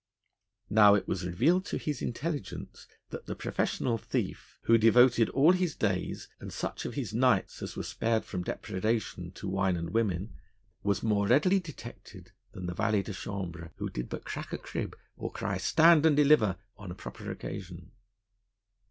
Now, it was revealed to his intelligence that the professional thief, who devoted all his days and such of his nights as were spared from depredation to wine and women, was more readily detected than the valet de chambre, who did but crack a crib or cry 'Stand and deliver!' on a proper occasion.